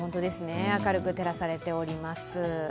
明るく照らされております。